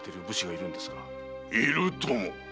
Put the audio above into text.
いるとも。